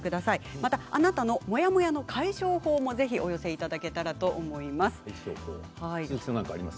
また、あなたのモヤモヤ解消法もぜひお寄せいただけたらと思います。